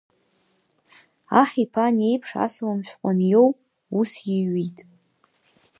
Аҳ иԥа ани аиԥш асалам шәҟәы аниоу, ус иҩит…